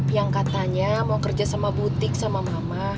yang katanya mau kerja sama butik sama mama